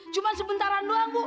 cuma sebentaran doang bu